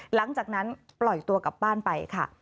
หลังจากนั้นปล่อยตัวกลับบ้านไปค่ะ